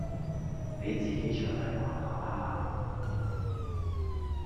你自己出嚟聞吓呀